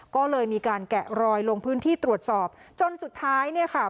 ก็เลยมีการแกะรอยลงพื้นที่ตรวจสอบจนสุดท้ายเนี่ยค่ะ